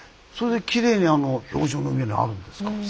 それできれいにあの氷床の上にあるんですか。